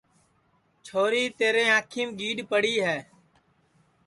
چھوری تیرے انکھیم گیڈؔ پڑی ہے